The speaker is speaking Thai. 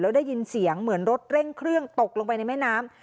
ได้ยินเสียงเหมือนรถเร่งเครื่องตกลงไปในแม่น้ำ